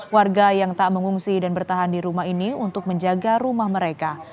warga yang tak mengungsi dan bertahan di rumah ini untuk menjaga rumah mereka